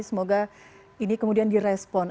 semoga ini kemudian direspon